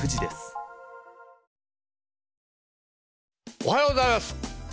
おはようございます。